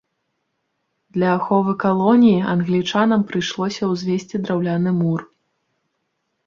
Для аховы калоніі англічанам прыйшлося ўзвесці драўляны мур.